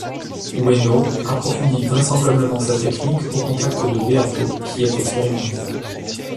Ueno approfondit vraisemblablement sa technique au contact de Beato qui est expérimenté.